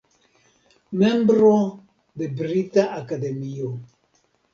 Membro de Brita Akademio.